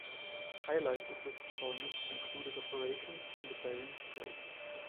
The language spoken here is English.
Highlights off this deployment included operations in the Bering Strait.